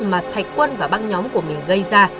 mà thạch quân và băng nhóm của mình gây ra